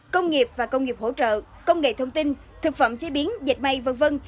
công nghiệp và công nghiệp hỗ trợ công nghệ thông tin thực phẩm chế biến dạch mây v v